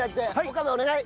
岡部お願い。